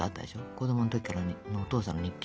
子供の時からのお父さんの日記。